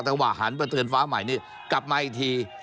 พอแต่ว่าหันไปเตือนฟาวใหม่นี่กลับมาอีกที